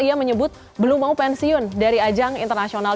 ia menyebut belum mau pensiun dari ajang internasional